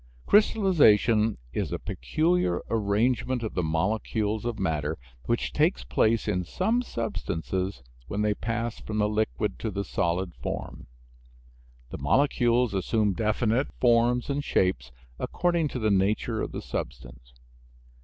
Crystallization is a peculiar arrangement of the molecules of matter, which takes place in some substances when they pass from the liquid to the solid form. The molecules assume definite forms and shapes, according to the nature of the substance.